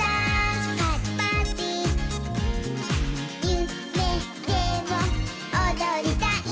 「ゆめでもおどりたい」